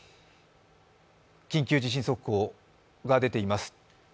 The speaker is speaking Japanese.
緊急地震速報が出ています。